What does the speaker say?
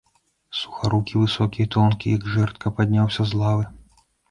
Сухарукі, высокі і тонкі, як жэрдка, падняўся з лавы.